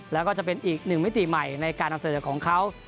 แล้วก็จะเป็นอีกหนึ่งมิติใหม่ในการนำเสนอของเขา